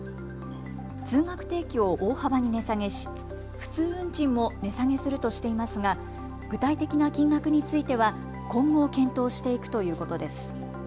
通学定期を大幅に値下げし普通運賃も値下げするとしていますが具体的な金額については今後、検討していくということです。